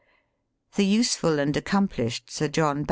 The useful and accomplished SIR JOHN I!